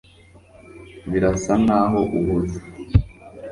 birasa nkaho uhuze